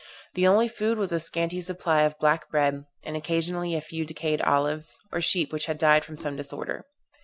The only food was a scanty supply of black bread, and occasionally a few decayed olives, or sheep which had died from some disorder.